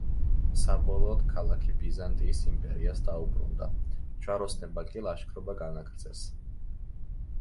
საბოლოოდ ქალაქი ბიზანტიის იმპერიას დაუბრუნდა, ჯვაროსნებმა კი ლაშქრობა განაგრძეს.